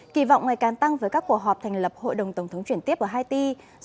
kỳ vọng ngày càng tăng với các cuộc họp thành lập hội đồng tổng thống chuyển tiếp ở haiti